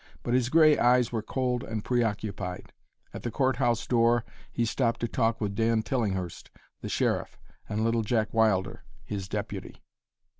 But his gray eyes were cold and preoccupied. At the court house door he stopped to talk with Dan Tillinghurst, the sheriff, and Little Jack Wilder, his deputy.